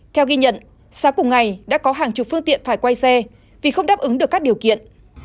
theo ghi nhận sáng cùng ngày đã có hàng chục phương tiện phải quay xe vì không đáp ứng được các điều kiện